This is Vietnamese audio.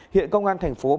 hiện công an thành phố bảo lộc